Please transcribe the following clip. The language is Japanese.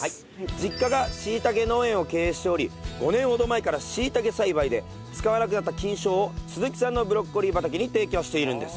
実家がしいたけ農園を経営しており５年ほど前からしいたけ栽培で使わなくなった菌床を鈴木さんのブロッコリー畑に提供しているんです。